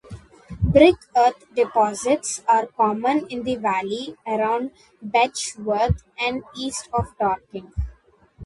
Brickearth deposits are common in the valley around Betchworth and east of Dorking.